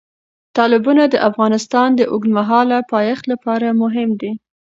تالابونه د افغانستان د اوږدمهاله پایښت لپاره مهم دي.